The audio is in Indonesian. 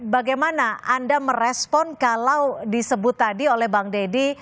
bagaimana anda merespon kalau disebut tadi oleh bang deddy